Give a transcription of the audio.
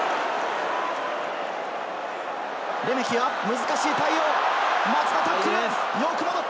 レメキは難しい対応、松田のタックル。